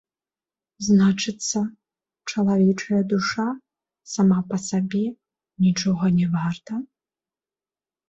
Значыцца, чалавечая душа, сама па сабе, нічога не варта?